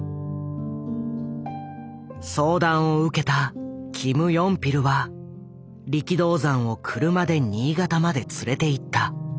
相談を受けたキム・ヨンピルは力道山を車で新潟まで連れていった。